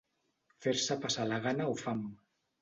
Fer-se passar la gana o fam.